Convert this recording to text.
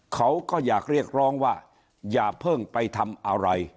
เขาก็อยากเรียกร้องว่าอย่าเพิ่งไปทำอะไร